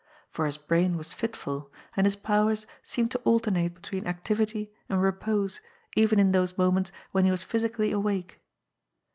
For his brain was fitful, and his powers seemed to alternate between activity and repose even in those moments when he was physically awake.